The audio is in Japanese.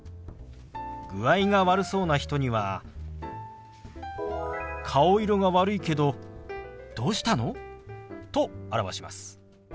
具合が悪そうな人には「顔色が悪いけどどうしたの？」と表します。